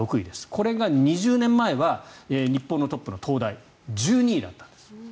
これが２０年前は日本のトップの東大１２位だったんです。